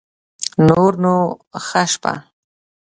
نور نو شه شپه